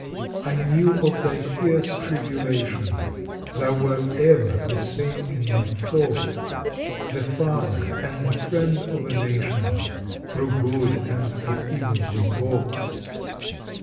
I knew of thy fierce tribulation, Thou wert ever the same in my thought The father and friend of a nation Through good and through evil report.